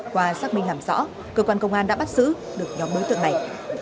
qua xác minh làm rõ cơ quan công an đã bắt giữ được nhóm đối tượng này